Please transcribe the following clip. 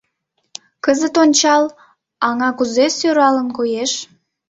— Кызыт ончал — аҥа кузе сӧралын коеш.